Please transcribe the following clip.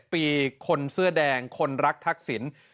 ปีคนเสื้อแดงคนรักทักษิณ